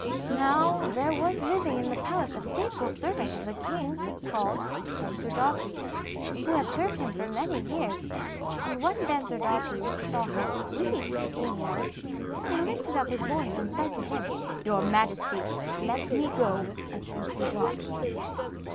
Now there was living in the palace a faithful servant of the king's called Bensurdatu, who had served him for many years, and when Bensurdatu saw how grieved the king was, he lifted up his voice and said to him: 'Your majesty, let me go and seek your daughters.